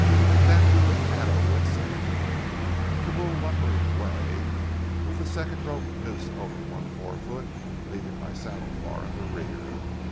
Then we were at our wit's end, the bull lumbering away with the second rope noosed over one fore foot, and leaving my saddle far in the rear.